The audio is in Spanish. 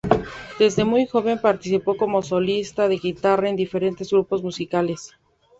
Desde muy joven participó como solista de guitarra en diferentes grupos musicales.